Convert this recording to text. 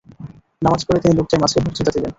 নামায পড়ে তিনি লোকদের মাঝে বক্তৃতা দিলেন।